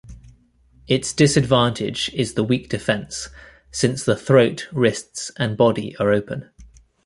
Its disadvantage is the weak defense, since the throat, wrists and body are open.